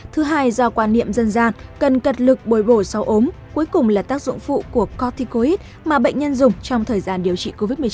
thứ hai do quan niệm dân gian cần cật lực bồi bổ sau ốm cuối cùng là tác dụng phụ của corticoid mà bệnh nhân dùng trong thời gian điều trị covid một mươi chín